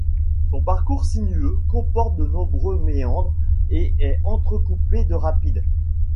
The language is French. Son parcours sinueux comporte de nombreux méandres et est entrecoupé de rapides.